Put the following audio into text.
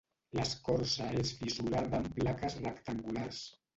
L'escorça és fissurada en plaques rectangulars.